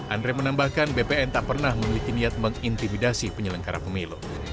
andre menambahkan bpn tak pernah memiliki niat mengintimidasi penyelenggara pemilu